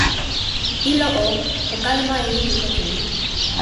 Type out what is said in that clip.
ilo o, o kalama e lipu toki mi.